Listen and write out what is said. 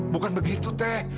bukan begitu teh